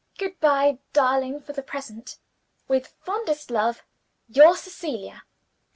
"Good by, darling, for the present. With fondest love, "Your CECILIA."